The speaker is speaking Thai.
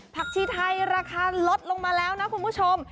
ชีไทยราคาลดลงมาแล้วนะคุณผู้ชม